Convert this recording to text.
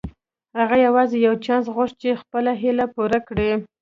هغه يوازې يو چانس غوښت چې خپله هيله پوره کړي.